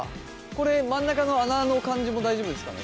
これ真ん中の穴の感じも大丈夫ですかね。